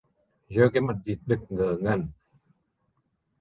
Dơ cái mặt vịt đực ngớ ngẩn